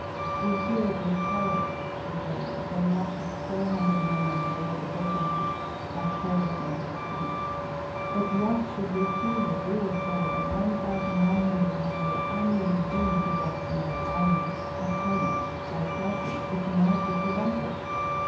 "We hear with horror," she wrote, "of the loss of 400 men on board the Birkenhead by carelessness at sea; but what should we feel if we were told that 1100 men are annually doomed to death in our Army at home by causes which might be prevented?